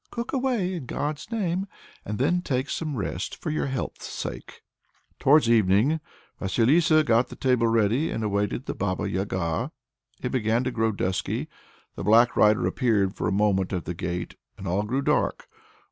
"Cook away, in God's name, and then take some rest for your health's sake!" Towards evening Vasilissa got the table ready, and awaited the Baba Yaga. It began to grow dusky; the black rider appeared for a moment at the gate, and all grew dark.